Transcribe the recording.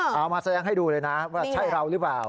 เอามาแสดงให้ดูเลยนะว่าใช่เราหรือเปล่า